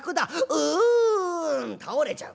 『うん』倒れちゃう。